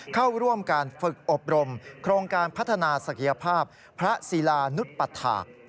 เข้าร่วมการฝึกอบรมโครงการพัฒนาศักยภาพพระศิลานุษย์ปฐาค